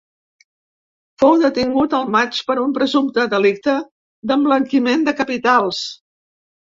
Fou detingut el maig per un presumpte delicte d’emblanquiment de capitals.